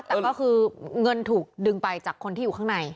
แต่ก็คือเงินถูกดึงไปจากคนที่อยู่ข้างใน